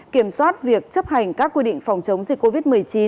kiểm soát việc chấp hành các quy định phòng chống dịch covid một mươi chín